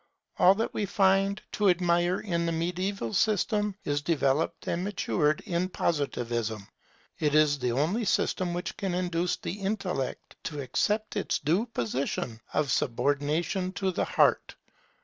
All that we find to admire in the mediaeval system is developed and matured in Positivism. It is the only system which can induce the intellect to accept its due position of subordination to the heart.